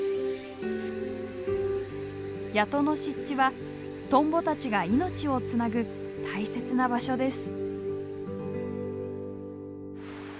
谷戸の湿地はトンボたちが命をつなぐ大切な場所です。